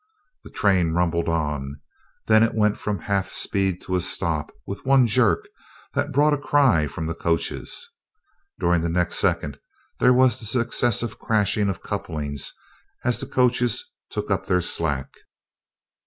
The train rumbled on; then it went from half speed to a stop with one jerk that brought a cry from the coaches. During the next second there was the successive crashing of couplings as the coaches took up their slack.